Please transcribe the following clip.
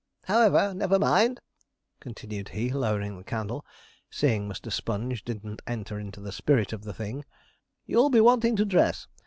However, never mind,' continued he, lowering the candle, seeing Mr. Sponge didn't enter into the spirit of the thing; 'you'll be wanting to dress.